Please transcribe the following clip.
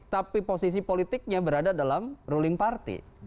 tapi posisi politiknya berada dalam ruling party